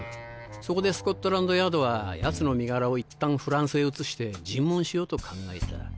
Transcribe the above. そこでスコットランドヤードはヤツの身柄をいったんフランスへ移して尋問しようと考えた。